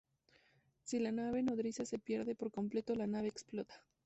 Si la nave nodriza se pierde por completo, la nave explota.